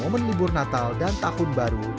menibur natal dan tahun baru dua ribu dua puluh empat